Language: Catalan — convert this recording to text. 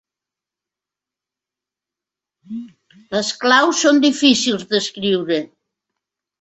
Les claus són difícils d'escriure.